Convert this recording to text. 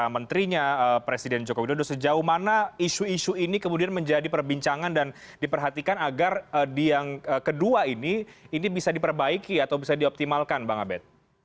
menterinya presiden joko widodo sejauh mana isu isu ini kemudian menjadi perbincangan dan diperhatikan agar di yang kedua ini ini bisa diperbaiki atau bisa dioptimalkan bang abed